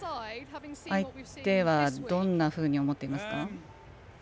相手は、どんなふうに思っていますか。